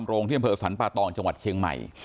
ที่เชียงชายเจมส์ศูนย์ป้าตองจังหวัดเชียงใหม่